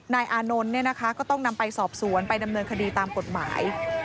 อานนท์เนี่ยนะคะก็ต้องนำไปสอบสวนไปดำเนินคดีตามกฎหมาย